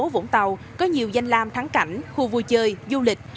phố vũng tàu có nhiều danh lam thắng cảnh khu vui chơi du lịch